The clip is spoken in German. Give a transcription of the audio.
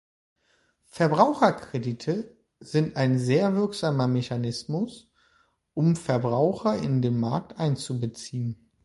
Verbraucherkredite sind ein sehr wirksamer Mechanismus, um Verbraucher in den Markt einzubeziehen.